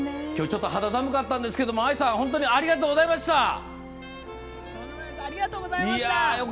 きょう、ちょっと肌寒かったんですけどＡＩさん、本当にありがとうございました。